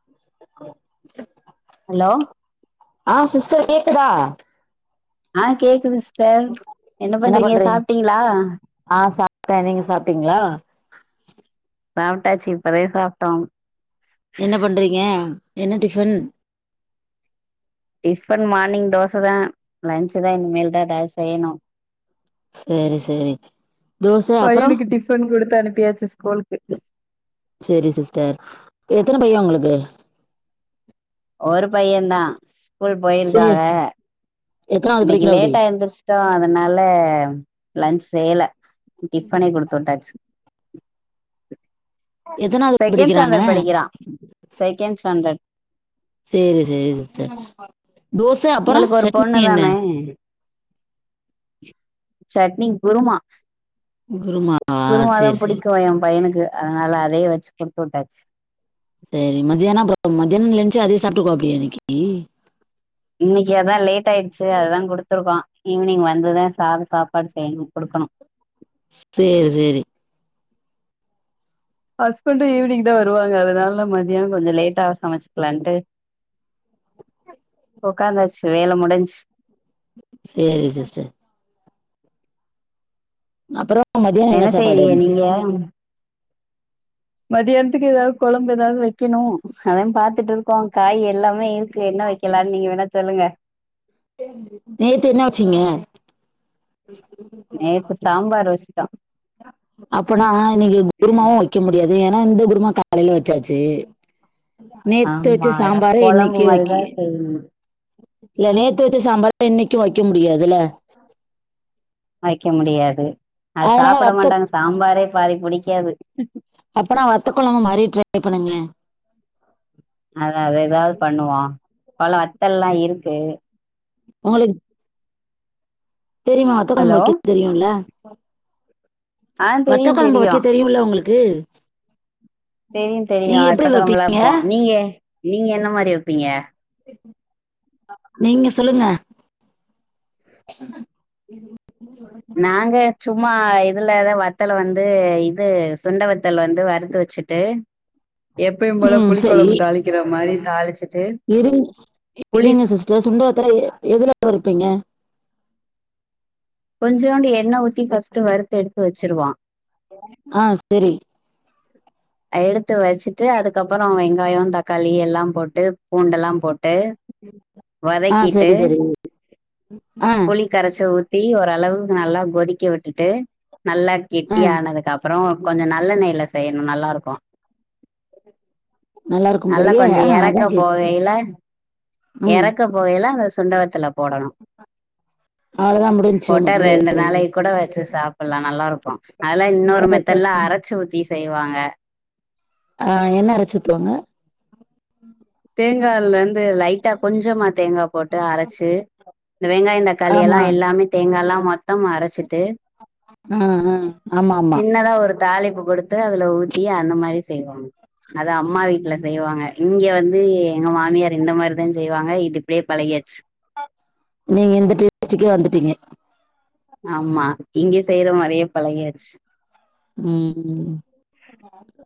[unintelligible] Hello ஆ sister கேக்குதா ஆ கேக்குது சிஸ்டர் என்ன பண்றீங்க சாப்ட்டீங்ளா ஆ சாப்ட்ட நீங்க சாப்ட்டீங்ளா சாப்ட்டாச்சு இப்பதே சாப்ட்டோ என்ன பண்றீங்க என்ன டிஃபன் டிஃபன் மார்னிங் தோசதா லன்ஞ்சுதா இன்னுமேல்தா எதாவ் செய்யணு சேரி சேரி தோச அப்புறோ பையனுக்கு டிஃபன் குடுத்து அனுப்பியாச்சு ஸ்கூலுக்கு சேரி சிஸ்டர் எத்தன பையன் உங்ளுக்கு ஒரு பையன்தா ஸ்கூல் சேரி போய்ருகாக எத்தனாவது இன்னிக்கு படிக்கிறாப்டி லேட்டா எந்திருச்சுட்டோ அதனால லன்ச் செய்யல டிஃபனே குடுத்து விட்டாச்சு எத்தனாவது செகேண்ட் படிக்கிறாங்க ஸ்டாண்டர்ட் படிக்கிறா செகேண்ட் ஸ்டாண்டர்ட் செரி செரி சிஸ்டர் தோச அப்புறோ உங்களுக்கு ஒரு பொண்ணு சட்னி என்ன தானே சட்னி குருமா குருமாவா குருமாதா சேரி சேரி பிடிக்கோ ஏ பையனுக்கு அ அதனால அதையே வெச்சு குடுத்து விட்டாச்சு சரி மத்தியானம் அப்புறோ மதியியானம் லஞ்சு அதயே சாப்ட்டுக்குவாப்படியா இன்னிக்கு இன்னிக்கு அதா லேட் ஆயிடுச்சு அதா குடுத்துருக்கோ ஈவினிங் வந்துதா சாத சாப்பாடு செய்யணோ குடுக்கணோ செரி சேரி ஹஸ்பண்டோ ஈவினிங் தா வருவாங்க அதனால மதியானோ கொஞ்சோ லேட்டாவே சமச்சக்கலான்ட்டு ஒக்காந்தாச்சு வேல முடிஞ்சு செரி சிஸ்டர் அப்புறோ மதியானோ என்ன சாப்பாடு ஏ ம் மதியானத்துக்கு எதாவது கொழம்பு எதாவது வெக்கணோ அதா பாத்துட்டு இருக்கோ காய் எல்லாமே இருக் என்ன வெக்கலானு நீங்க வேணா சொல்லுங்க நேத்து என்ன வெச்சீங்க [unintelligible] நேத்து சாம்பாரு வெச்சிட்டோ அப்பனா இன்னிக்கு குருமாவு வெ க்க முடியாது ஏன்னா இந்த குருமா காலைல வெச்சாச்சு நேத்து வெச்ச ஆமா அதாவது சாம்பார குழம்பு இன்னக்கி வெக்கி மாதிரிதான் செய்யணும் இல்ல நேத்து வெச்ச சாம்பார இன்னிக்கு வெக்க முடியாதுல்ல வெக்க முடியாது அத அதனால சாப்புட வத்த மாட்டாங்க சாம்பாரே பாதி பிடிக்காது அப்பனா வத்தக்கொழம்பு மாரி ட்ரை பண்ணுங்கலே அத அது எதாவது பண்ணுவோ பல வத்தல்லா இருக்கு உங்குளுக்கு தெரியுமா வத்தக்கொழம்பு ஹலோ வெக்க தெரியும்ல ஆ வத்த தெரியு கொழம்பு வெக்க தெரியு தெரியும்ல உங்குளுக்கு தெரியு தெரியோ வத்தகொழம்புலா வைப்பீங்க வெப்போ நீங்க நீங்க என்ன மாரி வெப்பீங்க நீங்க சொல்லுங்க நாங்க சும்மா இதுலதா வத்தல வந்து இது சுண்ட வத்தல் வந்து வறுத்து வெச்சுட் டு எப்பயு போல ம் புளி கொழம்பு தாளிக்கிற மாரி தாளிச்சு இருங் இருங்க சிஸ்டர் சுண்டவத்தல எதுல வருப்பீங்க கொஞ்சோண்டு எண்ண ஊத்தி ஃபர்ஸ்ட்டு வறுத்து எடுத்து வெச்சுருவோ ஆ செரி எடுத்து வெச்சிட்டு அதுக்கப்புறோ வெங்காயோ தக்காளி எல்லா போட்டு பூண்டெல்லா போட்டு ஆ வதக்கிட்டு சரி சரி ஆ புளி கரைச்சு ஊத்தி ஓரளவுக்கு நல்லா கொதிக்க விட்டுட்டு நல்லா ஆ கெட்டியானதுகப் பறோ கொஞ்சோ நல்லெணெய்ல செய்யணோ நல்லா இருக்கோ இருக்கும் நல்லா போலயே கொஞ்சோ ஆ எறக்க அதான் கேக்கு போகையில ம் எறக்க போகையில அந்த சுண்ட வத்தல போடணோ அவ்ளோதா முடிஞ் போட்டா ரெண்டு நாளைக்கு கூட வெச்சு சாப்புலா நல்லா இருக்கோ அதுல இன்னோரு அதற்கு மெத்தட்ல அரச்சு ஊத்தி செய்வாங்க அ என்ன அரச்சு ஊத்துவாங்க தேங்காலந்து லைட்டா கொஞ்சமா தேங்கா போட்டு அரச்சு, இந்த வெங்காயோ தக்காளி எல்லா ஆமா எல்லாமே தேங்காலா மொத்தமா அரச்சிட்டு ஆ அ ஆமாமா சின்னதா ஒரு தாளிப்பு குடுத்து அதுல ஊத்தி அந்த மாரி செய்வாங். அது அம்மா வீட்ல செய்வாங்க இங்க வந் து எங்க மாமியார் இந்த மாரிதா செய்வாங்க இது இப்டே பழகியாச்சு. நீங்க இந்த டேஸ்டுக்கே வந்துட்டீங்க. ஆமா இங்க செய்ற மாரியே பழகியாச்சு. ம்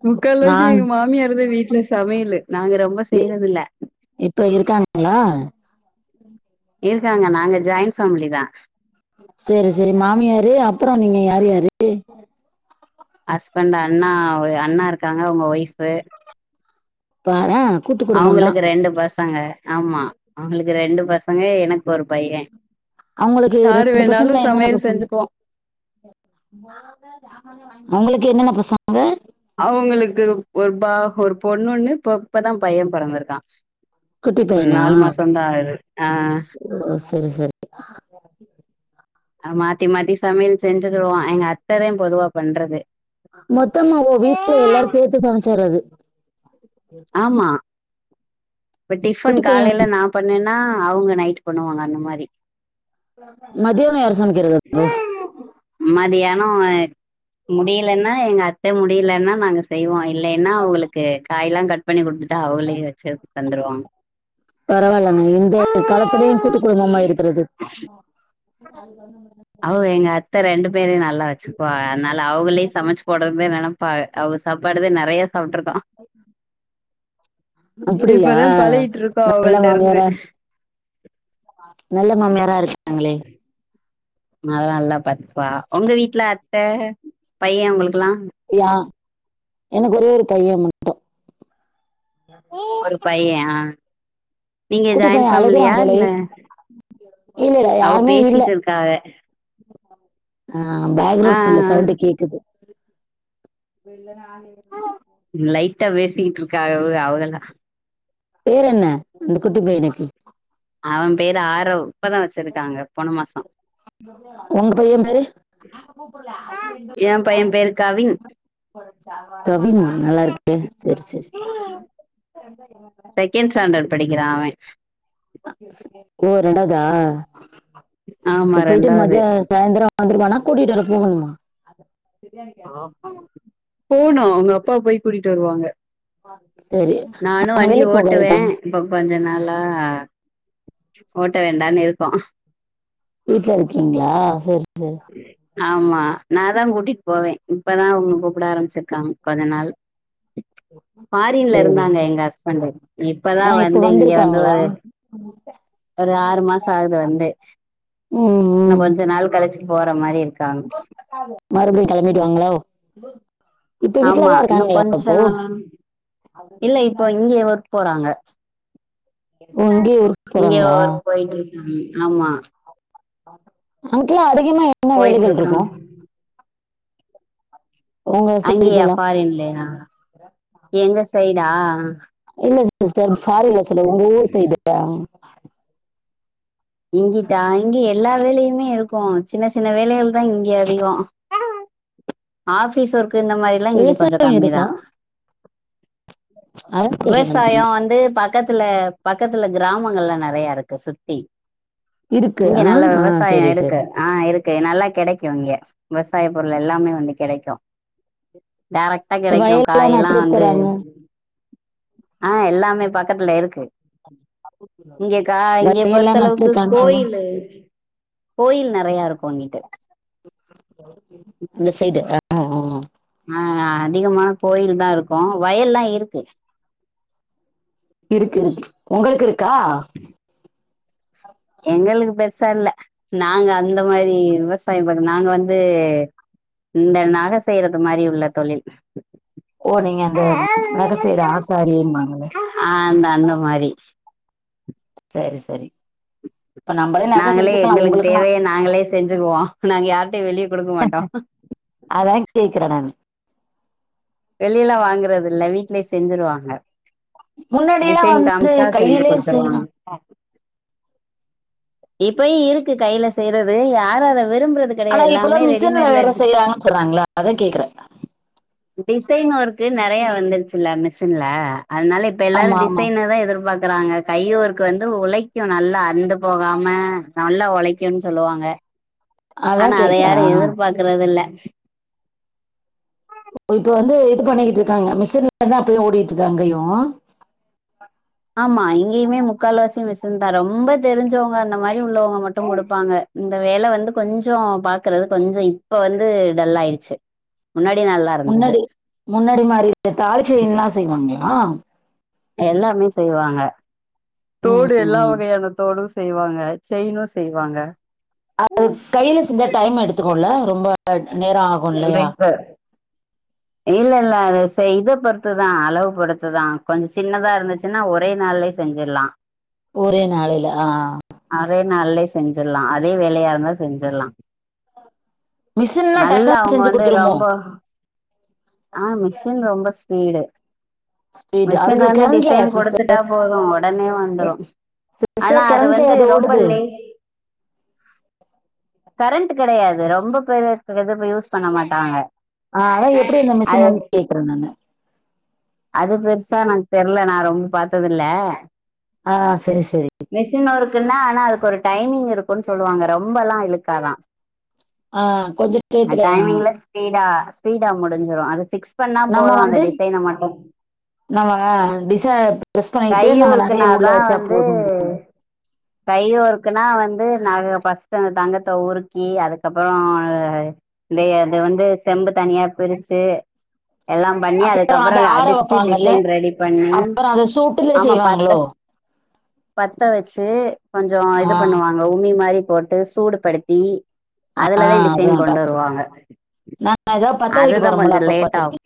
முக்கால் வாசி நாங் எங்க மாமியார்தா வீட்ல சமையலு நாங்க ரொம்ப இ செய்றதில்ல. இப்ப இருக்காங்ளா? இருக்காங்க நாங்க ஜாயின் ஃபேமிலி தா. சேரி சேரி மாமியாரு அப்புறோ நீங்க யாரு யாரு? ஹஸ்பண்டு அண்ணா ஒ அண்ணா இருக்காங்க அவுங்க ஒய்ஃபு. பாரே கூட்டு குடும்பந்தா அவுங்களுக்கு ரெண்டு பசங்க ஆமா அவுங்களுக்கு ரெண்டு பசங்க எனக்கு ஒரு பைய. அவுங்களுக்கு யாரு ரெண்டு வேணாலு பசங்களா என்னென்ன சமையல் பசங்க? செஞ்சுக்குவா அவுங்களுக்கு என்னென்ன பசங்க? அவுங்களுக்கு ஒரு பா ஒரு பொண்ணு ஒன்னு இப்ப இப்பதா பைய பெறந்திருக்கா. குட்டி இப்ப பையனா நாலு மாசந்தா ஆகுது ஆ. ஓ செரி செரி. ஆ மாத்தி மாத்தி சமையல் செஞ்சுக்கிருவோ எங்க அத்ததா பொதுவா பண்றது. மொத்தமா ஓ வீட்ல எல்லாரு சேத்து சமைச்சர்றது. ஆமா. இப்ப டிஃபன் குட்டி பைய காலைல நா பண்ணேன்னா அவுங்க நைட்டு பண்ணுவாங்க அந்த மாரி. மத்தியானோ யார் சமைக்கறது அப்போ. மதியானோ அ முடியலன்னா எங்க அத்த முடியலன்னா நாங்க செய்வோ இல்லேன்னா அவுங்களுக்கு காய்லா கட் பண்ணி குடுத்துட்டா அவுகளே வெச்சு தந்துருவாங். பரவாலங்க இந்த காலத்துலியு கூட்டு குடும்பமா இருக்கறது. அவு எங்க அத்த ரெண்டு பேரயு நல்லா வெச்சு பா அனால அவுகளே சமைச்சு போட்றதுதா நெனப்பாக, அவுக சாப்பாடுதா நெறைய சாப்ட்டுருக்கோ. அப்பிடியா இப்பதா பழகிட்டு இருக்கோ நல்ல அவங்கள்ட்ட இருந்து மாமியாரா நல்ல மாமியாரா இருக்காங்களே. அதுலா நல்லா பாத்துப்பா. உங்க வீட்ல அத்த பைய உங்குளுக்குளா? யா எனக்கு ஒரே ஒரு பைய மட்டு. ஒரு பைய ஆ. நீங்க குட்டி ஜாயின் பையன் ஃபேமிலியா அழுகுறான் இல்ல? போலயே இல்ல இல்ல அவ பேசிட்டுருக்காக. ஆ பேக்ரவுண்ல சவுண்டு கேக்குது. லைட்டா பேசிட்டுருக்காகவு அவுகள்லா. பேரென்ன அந்த குட்டி பேபிக்கு. அவ பேரு ஆரவ் இப்பதா வெச்சிருக்காங்க போன மாசோ. உங்க பைய பேரு? எ பைய பேரு கவின் கவினா நல்லா இருக்கு செரி செரி. செகண்ட் ஸ்டாண்டடு படிக்கிறா அவே. அ ஸ் ஓ ரண்டாவ்தா? ஆமா ம் போயிட்டு ரெண்டாவது மதியா சாயந்தரோ வந்துருவானா கூட்டிட்டு வர போகணுமா? போணு அவுங்க அப்பா போய் கூட்டிட்டு வருவாங்க. சரி நானு அவங்க வண்டி வேலைக்கு போக ஓட்டுவே. போயிட்டாங்க இப்ப கொஞ்ச நாளா ஓட்ட வேண்டான்னு இருக்கோ. வீட்ல இருக்கிங்ளா செரி செரி. ஆமா நா தா கூட்டிட் போவே இப்பதா அவுங்க கூப்பிட ஆரம்ச்சிருக்காங் கொஞ்ச நாள். பாரின்ல சரி இருந்தாங்க சரி எங்க ஹஸ்பண்டு இப்பதா ஆஹ் இப்ப வந்து இங்க வந்து வந்திருக்காங்களா ஒரு [inaudible] ஒரு ஆறு மாசம் ஆகுது வந்து ம் இன்னும் ம். கொஞ்ச நாள் கழிச்சு போற மாரி இருக்கு மறுபடியும் கிளம்பிடுவாங்களோ இப்ப ஆமா வீட்டுலதான் இன்னும் இருக்காங்களா கொஞ்ச அப்போ நாள் இல்ல இப்போ இங்க ஒர்க் போறாங்க ஓ இங்கேயே ஊருக்கு இங்க போறாங்களா ஒரக் போய்ட்டு இருக்காங்க ஆமா அங்கல்லா அதிகமா என்ன போயிட்டு வேலைகள் இருக்காங்க இருக்கும் உங்க சைடு அங்கேயா எல்லாம் ஃபாரின்லையா எங்க சைடா இல்ல சிஸ்டர் ஃபாரின்ல சொல்லல உங்க ஊரு சைடு இருக்குல அங்க இங்கிட்டா இங்க எல்லா வேலையுமே இருக்கும் சின்ன சின்ன வேலைகள் தான் இங்க அதிகம் ஆபிஸ் ஒர்க் இந்த மாரி ல்லா இங்க கொஞ்சம் விவசாயம் கம்மி தா இருக்கா அதான் கேட்கிறேன் நானு. விவசாயம் வந்து பக் பக்கத்துல பக்கத்துல கிராமங்கள்லாம் நிறைய இருக்கு சுத்தி இருக்கு இங்க ஆ நல்ல ஆ விவசாயம் சரி இருக்கு சரி ஆஹ் இருக்கு நல்லா கிடைக்கும் இங்க விவசாய பொருள் எல்லாமே வந்து கிடைக்கும் டேரக்டா கிடைக்கும் வயல்லாம் காயி எல்லாம் வந்து நட்டுருக்குறாங்க ஆஹ் எல்லாமே பக்கத்துல இருக்கு இங்க காய் இங்க வயல்லாம் பொறுத்தளவுக்கு நட்டுருக்காங்க கோயிலு கோயில் நிறைய இருக்கும் இங்கிட்டு இந்த சைடு ஆ. ஆஹ் அதிகமான கோயில் தா இருக்கும் வயல்லா இருக்கு இருக்கு உங்களுக்கு இருக்கா எங்களுக்கு பெருசா இல்ல நாங்க அந்த மாரி விவசாயம் நாங்க வந்து இந்த நக செய்யறது மாதிரி உள்ள தொழில் ஓ நீங்க அந்த நக செய்யுற ஆசாரின்வாங்களே ஆஹ் அந்த அந்த மாரி சேரி சேரி நாங்களே எங்களுக்கு உங்களுக்கெல்லாம் தேவய நாங்களே செஞ்சுக்குவோ நாங்க யார்ட்டையும் வெளிய கொடுக்க மாட்டோ அதான் கேக்குறே நானு வெளியில வாங்குறது இல்ல வீட்லயே செஞ்சுருவாங்க முன்னாடியெல்லா டிசைன் வந்து காமிச்சா செஞ்சு கையிலே குடுத்துருவாங்க செய்யலாம் இப்பேயு இருக்கு கையில செய்றது யாரும் அத விரும்புறது ஆனா கெடையாது இப்ப எல்லாமே எல்லாம் மிஷின்ல ரெடிமேட்ல வேற செய்றாங்க சொல்றாங்களா அதான் கேக்குறே டிசைன் ஒர்க்கு நிறைய வந்துருச்சுல்ல மிஷின்ல அதனால இப்ப ஆமா எல்லாரும் ஆமா டிசைனதா எதிர்பாக்கு றாங்க கை ஒர்க் வந்து உழைக்கும் நல்லா அந்து போகாம நல்லா உழைக்கும்னு சொல்லுவாங்க அதா ஆனா அத கேக்குறேன் ஆ. யாரும் எதிர்பார்க்குறது இல்ல ஓ இப்ப வந்து இது பண்ணிக்கிட்டு இருக்காங்க மிஷின்லதா அப்பையும் ஓடிகிட்டு இருக்கா அங்கையும் ஆமா இங்கேயுமே முக்கால்வாசி மிஷின் தா ரொம்ப தெரிஞ்சவுங்க அந்த மாரி உள்ளவுங்க மட்டும் குடுப்பாங்க இந்த வேல வந்து கொஞ்சம் பாக்குறது கொஞ்சம் இப்ப வந்து டல்லா ஆயிடுச்சு முன்னாடி நல்லா இருந்தது முன்னாடி முன்னாடி மாரி தாலி செயின்ல்லா செய்வாங்களா எல்லாமே செய்வாங்க ம் தோடு எல்லா ம். வகையான தோடும் செய்வாங்க செயினும் செய்வாங்க அது கையில செஞ்சா டைம் எடுத்துக்கோல ரொம்ப நேரம் ஆகும் இல்லையா இல்ல இல்ல அது செய் இத பொறுத்துதான் அளவு பொறுத்துதான் கொஞ்சம் சின்னதா இருந்துச்சுன்னா ஒரே நாள்ளயே செஞ்சிரலா ஒரே நாளையில ஆஹ் ஆஹ் அதே நாளே செஞ்சிரலா அதே வேளையா இருந்தா செஞ்சிரலா மிஷின்லாம் நல்லா டக்குன்னு அவுங்க செஞ்சு வந்து கொடுத்துருமோ ரொம்ப ஆஹ் மிஷின் ரொம்ப ஸ்பீடு ஸ்பீடு மிஷின்ல அதுக்கு வந்து கரண்ட் டிசைன் சிஸ்டர் குடுத்துட்டா போதும் உடனே வந்துரும் ஆனா சிஸ்டர் அது கரண்ட் வந்து ரொம்ப ஓடுது லேட் கரண்ட்டு கிடையாது ரொம்ப பேரு இத போய் யூஸ் பண்ண மாட்டாங்க ஆ அதா எப்பிடி இந்த அது மிஷன் வந்து கேக்கறேன் நானு அது பெருசா எனக்கு தெர்ல நானு ரொம்ப பாத்ததில்ல ஆ செரி சேரி மிஷின் ஒர்க்குன்னா ஆனா அதுக்கு ஒரு டைமிங் இருக்குன்னு சொல்லுவாங்க ரொம்பல்லா இழுக்காதா ஆ கொஞ்ச அ டயத்துல ஆ டைமிங்ல ஸ்பீடா ஸ்பீடா முட் டிஞ்சிடு அது பிக்ஸ் பண்ணா நம்ம போது அந்த வந்து டிசைன மட்டு நம்ம டிசைன் ப்ரஸ் கை பண்ணிட்டு நம்ம நகைய உள்ள ஒர்க்குனாதா வெச்சா வந்து போது போது கை ஒர்க்குனா வந்து நாகைய ஃபர்ஸ்ட் அந்த தங்கத்த உறுக்கி அதுக்கப்புறோ அ தே அது வந்து செம்பு தனியா பிரிச்சு எல்லா பண்ணி அப்புறோ அத அதுக்கப்புறோ ஆற அடிச்சு வப்பாங்கல்ல டிசைன் ரெடி பண்ணி அப்புறோ அத சூட்டுல ஆமா செய்வாங்களோ பாத்த பத்த வீச்சு கொஞ்சோ இது ஆ பண்ணுவாங்க உமி மாரி போட்டு சூடு படுத்தி அதுலதா டிசைன் கொண்டு வருவாங்க ந நா ஏதாவது பத்த வைக்க அதுதா போறோம்ல கொஞ்சோ அப்ப லேட் ஆகு பாத்துருக்கே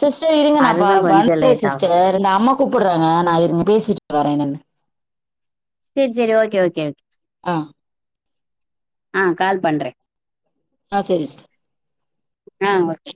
சிஸ்டர் இருங்க நா ப அதுதா ப கொஞ்சோ பண்றே லேட் ஆகு சிஸ்டர் எங்க அம்மா கூப்புட்றாங்க நா இருங்க பேசிட்டு வரே என்னானு செரி செரி ஓகே ஓகே ஓகே ஆ ஆ கால் பண்றே ஆ செரி் சிஸ்டர் ஆ ஓகே